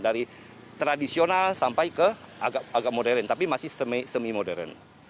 dari tradisional sampai ke agak modern tapi masih semi modern